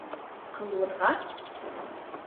Ҡыуырға?